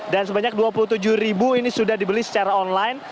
dan sebanyak dua puluh tujuh ribu ini sudah dibeli secara online